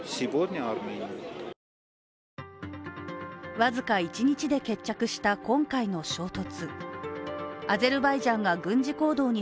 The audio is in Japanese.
僅か一日で決着した今回の衝突。